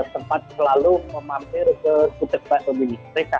sempat selalu memampir ke budeg batum ini